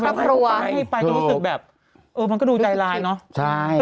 แต่มันก็มีความรู้สึกแบบมันก็ดูใจร้ายเนอะ